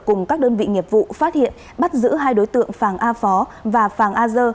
cùng các đơn vị nghiệp vụ phát hiện bắt giữ hai đối tượng phàng a phó và phàng a dơ